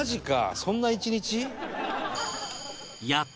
そんな１日？